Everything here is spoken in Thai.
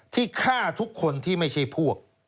ที่ฆ่าทุกคนที่ไม่ใช่พวก